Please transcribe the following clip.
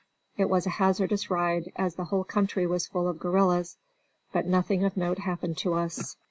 It was a hazardous ride, as the whole country was full of guerrillas. But nothing of note happened to us.